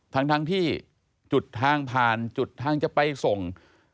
ทั้งที่จุดทางผ่านจุดทางจะไปส่ง